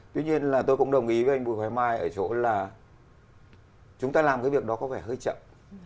tuy nhiên là tôi cũng đồng ý với anh bùi hoài mai ở chỗ là chúng ta làm cái việc đó có vẻ hơi chậm